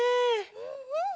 うんうん。